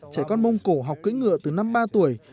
trẻ con mông cổ học cưỡ ngựa từ năm ba tuổi